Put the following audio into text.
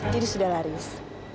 jadi sudah laris